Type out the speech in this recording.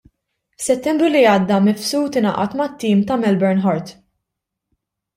F'Settembru li għadda, Mifsud ingħaqad mat-tim ta' Melbourne Heart.